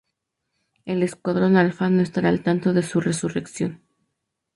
El Escuadrón Alfa no estará al tanto de su resurrección.